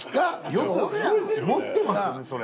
よく持ってましたねそれ。